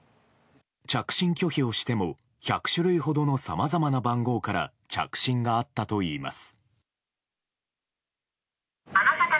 着信拒否をしても１００種類ほどのさまざまな番号から着信があったといいます。